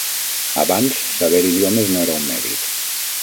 Abans, saber idiomes no era un mèrit.